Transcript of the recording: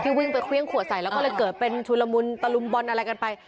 วิ่งไปเครื่องขวดใส่แล้วก็เลยเกิดเป็นชุลมุนตะลุมบอลอะไรกันไป